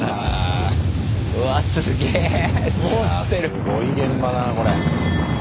すごい現場だなこれ。